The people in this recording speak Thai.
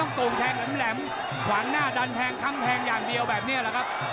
โกงแทงแหลมขวางหน้าดันแทงคำแทงอย่างเดียวแบบนี้แหละครับ